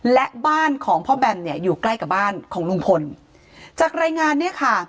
และบ้านของพ่อแบมเนี่ยอยู่ใกล้กับบ้านของลุงพลจากรายงานเนี่ยค่ะ